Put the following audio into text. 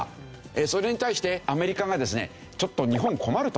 それに対してアメリカがですねちょっと日本困ると。